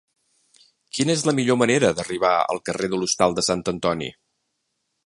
Quina és la millor manera d'arribar al carrer de l'Hostal de Sant Antoni?